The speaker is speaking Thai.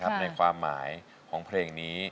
ในความหมายของเพลงนี้